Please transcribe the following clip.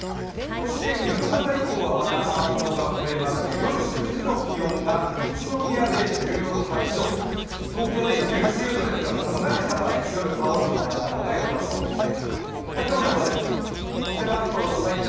そして夕方以降はまた雨雲が増えまして夜９時の気温が宇都宮で１８度、東京で１９度ですから寒がりな方は夜羽織るものがあった方がよさそうですね。